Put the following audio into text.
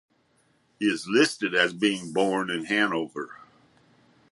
He is listed as being born in Hanover.